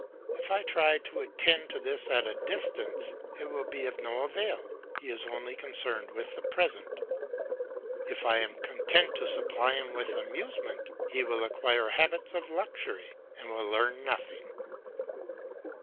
If I try to attend to this at a distance, it will be of no avail; he is only concerned with the present. If I am content to supply him with amusement, he will acquire habits of luxury and will learn nothing.